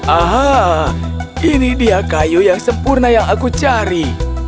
aha ini dia kayu yang sempurna yang aku cari